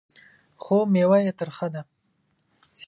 خو مېوه یې ترخه ده .